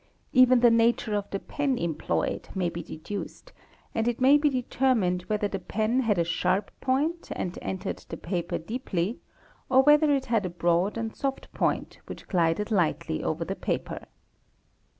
LEven the nature of the pen employed may _ be deduced and it may be determined whether the pen had a sharp point and entered the paper deeply, or whether it had a broad and soft point _ which glided lightly over the paper.